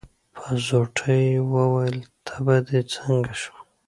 په زوټه يې وويل: تبه دې څنګه شوه؟